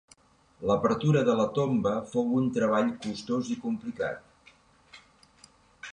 L'apertura de la tomba fou un treball costós i complicat.